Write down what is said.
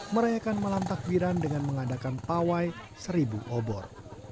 merayakan malam takbiran dengan mengadakan pawai seribu obor